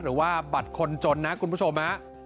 หรือว่าบัตรคนจนนะคุณผู้ชมฮะ